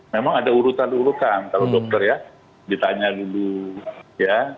memang ada urutan urutan kalau dokter ya ditanya dulu ya